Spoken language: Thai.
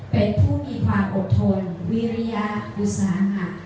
เป็นผู้มีความอดทนวิริยอุตสาหะ